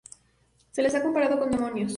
Se les ha comparado con "demonios".